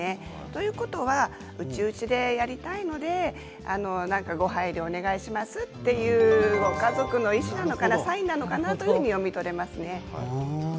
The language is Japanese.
ということは内々でやりたいのでご配慮をお願いしますというご家族の意志なのかなサインなのかなと読み取れますね。